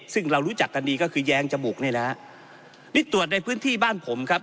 ซึ่งเรารู้จักกันดีก็คือแย้งจมูกนี่นะฮะนี่ตรวจในพื้นที่บ้านผมครับ